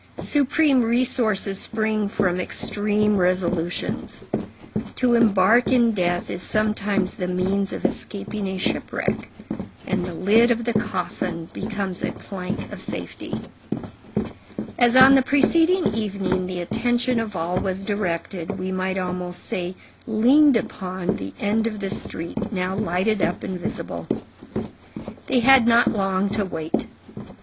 Supreme resources spring from extreme resolutions. To embark in death is sometimes the means of escaping a shipwreck; and the lid of the coffin becomes a plank of safety. As on the preceding evening, the attention of all was directed, we might almost say leaned upon, the end of the street, now lighted up and visible. They had not long to wait.